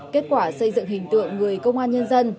kết quả xây dựng hình tượng người công an nhân dân